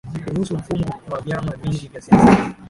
kuruhusu mfumo wa vyama vingi vya siasa